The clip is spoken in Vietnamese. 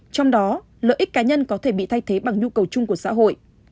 trong đó lợi ích cá nhân có thể bị thay thế bằng nhu cầu chung của xã hội